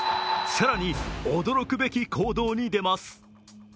更に驚くべき行動に出ます。